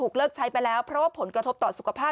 กินให้ดูเลยค่ะว่ามันปลอดภัย